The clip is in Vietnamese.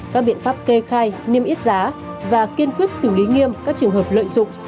các biện pháp kê khai niêm yết giá và kiên quyết xử lý nghiêm các trường hợp lợi dụng